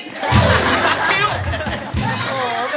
หลายคิว